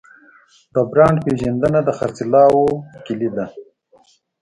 د برانډ پیژندنه د خرڅلاو کلید دی.